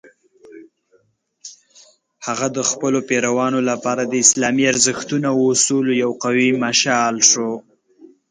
هغه د خپلو پیروانو لپاره د اسلامي ارزښتونو او اصولو یو قوي مشال شو.